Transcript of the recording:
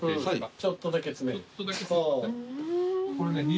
ちょっとだけ詰めて。